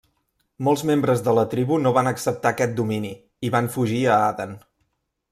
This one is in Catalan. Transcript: Molts membres de la tribu no van acceptar aquest domini i van fugir a Aden.